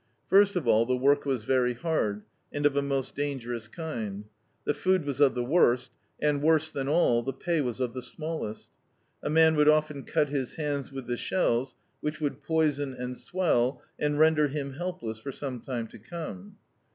First of all the work was very hard, and of a most dangerous kind; the food was of the worst; and, worse than all, the pay was of the smallest A man would often cut his hands with the shells, which would poison and swell, and render him helpless for some time to come.